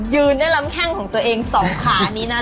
ยืนด้วยลำแข้งของตัวเองสองขานี้นะ